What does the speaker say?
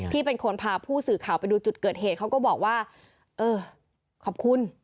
ที่เป็นคนพาผู้สื่อข่าวไปดูจุดเกิดเหตุเขาก็บอกว่าเออขอบคุณ